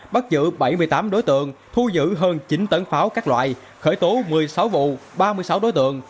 bắt giữ bảy mươi tám đối tượng thu giữ hơn chín tấn pháo các loại khởi tố một mươi sáu vụ ba mươi sáu đối tượng